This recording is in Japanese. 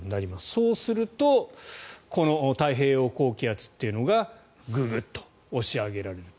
そうするとこの太平洋高気圧というのがググッと押し上げられる。